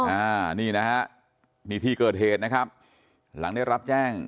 อ่านี่นะฮะนี่ที่เกิดเหตุนะครับหลังได้รับแจ้ง